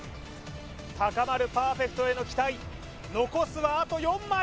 高まるパーフェクトへの期待残すはあと４枚！